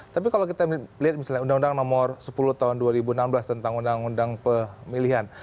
tapi kalau kita lihat misalnya undang undang nomor sepuluh tahun dua ribu enam belas tentang undang undang pemilihan